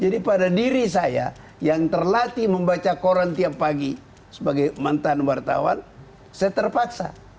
jadi pada diri saya yang terlatih membaca koran tiap pagi sebagai mantan wartawan saya terpaksa